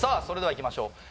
それではいきましょう